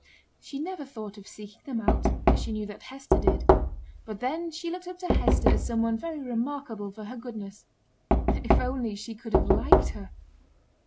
She never thought of seeking them out, as she knew that Hester did; but then she looked up to Hester as some one very remarkable for her goodness. If only she could have liked her!